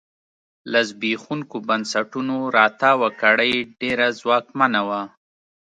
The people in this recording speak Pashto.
له زبېښونکو بنسټونو راتاوه کړۍ ډېره ځواکمنه وه.